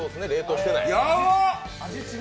やばっ！